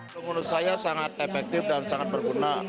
menurut saya sangat efektif dan sangat berguna